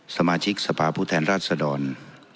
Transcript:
สมาชิกศพภภูแฟนรัฐสธรรม